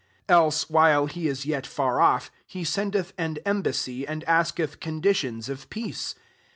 32 Else, while he is vet far off, he sendeth an em vassy, and asketh conditions of peace.